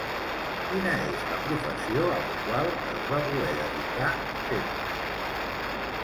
Quina és la professió a la qual es va voler dedicar sempre?